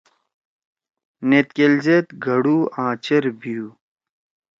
نیت کئیل زیت گھڑُو آ چیر ِبھیُو